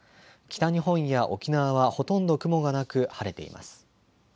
北日本や沖縄はほとんど雲がなく晴れています。